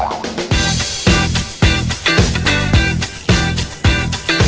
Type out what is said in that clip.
แค่นี้